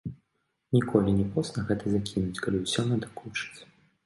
Ніколі не позна гэта закінуць, калі ўсё надакучыць.